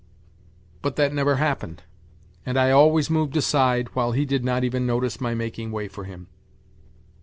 But that never happened, and I always moved aside, while he did not even notice my making way for him.